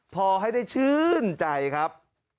พอให้ได้ชื่นใจครับ